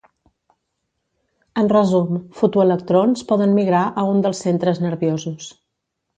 En resum, fotoelectrons poden migrar a un dels centres nerviosos.